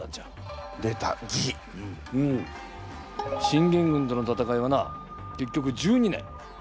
信玄軍との戦いはな結局１２年。